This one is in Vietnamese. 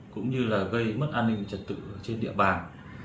cũng như là gây mất an ninh trật tự trên địa bàn